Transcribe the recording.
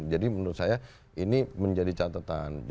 menurut saya ini menjadi catatan